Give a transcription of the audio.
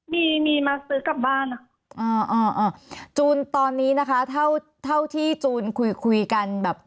มีมีมาซื้อกลับบ้านอ่าอ่าจูนตอนนี้นะคะเท่าเท่าที่จูนคุยคุยกันแบบ